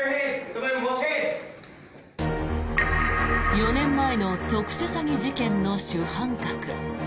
４年前の特殊詐欺事件の主犯格。